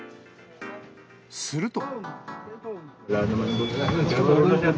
すると。